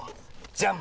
じゃん！